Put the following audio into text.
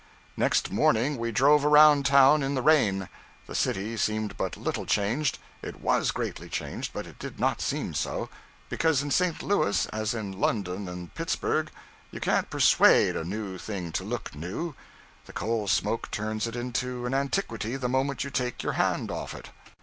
Next morning, we drove around town in the rain. The city seemed but little changed. It _was _greatly changed, but it did not seem so; because in St. Louis, as in London and Pittsburgh, you can't persuade a new thing to look new; the coal smoke turns it into an antiquity the moment you take your hand off it.